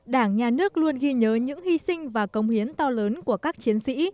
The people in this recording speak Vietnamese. đảng nhà nước luôn ghi nhớ những hy sinh và công hiến to lớn của các chiến sĩ